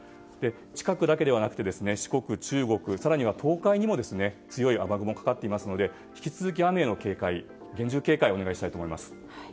近くだけではなくて四国、中国更には東海にも強い雨雲がかかっていますので引き続き雨への厳重警戒をお願いしたいと思います。